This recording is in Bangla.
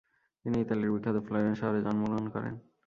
তিনি ইতালির বিখ্যাত ফ্লোরেন্স শহরে জন্মগ্রহণ করেন।